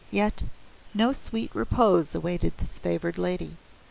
Yet no sweet repose awaited this favored lady.